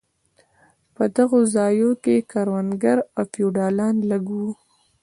په دغو ځایو کې کروندګر او فیوډالان لږ وو.